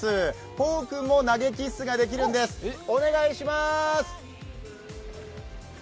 ポウ君も投げキッスができるんです、お願いします。